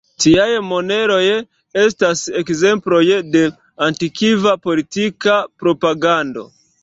Tiaj moneroj estas ekzemploj de antikva politika propagando.